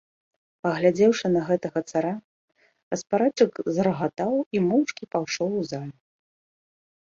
Паглядзеўшы на гэтага цара, распарадчык зарагатаў і моўчкі пайшоў у залю.